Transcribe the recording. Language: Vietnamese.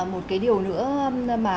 một cái điều nữa mà